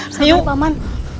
sampai pak man